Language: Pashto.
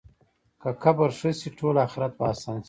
که قبر ښه شي، ټول آخرت به اسان شي.